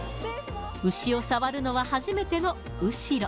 牛を触るのは初めての後呂。